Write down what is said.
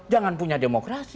jangan punya demokrasi